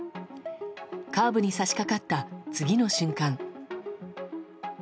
カーブに差し掛かった次の瞬間。